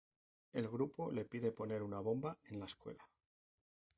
El grupo le pide poner una bomba en la escuela.